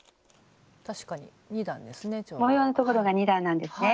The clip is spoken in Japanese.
模様のところが２段なんですね。